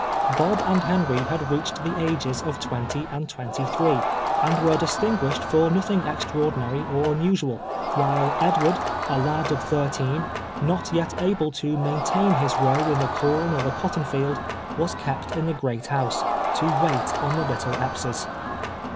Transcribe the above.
Bob anil Henry had reached the ages of twenty and twenty three, and were distinguished for nothing extraordinary or unusual, while Edward, a hul of thirteen, not yet able to maintain his row in the corn or the cotton field, was kept in the great house, to •wait on the little Eppses.